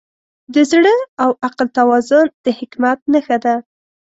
د زړه او عقل توازن د حکمت نښه ده.